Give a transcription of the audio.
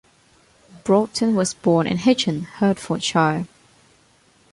Broughton was born in Hitchin, Hertfordshire.